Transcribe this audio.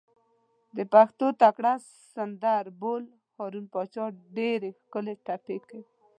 د پښتو تکړه سندر بول، هارون پاچا ډېرې ښکلې ټپې کوي.